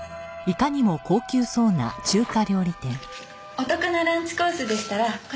お得なランチコースでしたらこちらが。